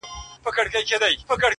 له فکرونو اندېښنو په زړه غمجن سو.!